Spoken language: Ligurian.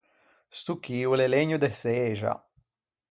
Sto chì o l’é legno de çexa.